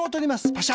パシャ。